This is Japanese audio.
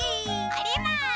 おります！